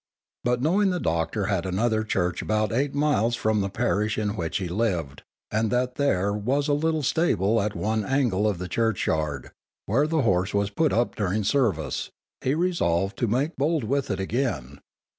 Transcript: But knowing the doctor had another church about eight miles from the parish in which he lived, and that there was a little stable at one angle of the churchyard, where the horse was put up during service, he resolved to make bold with it again.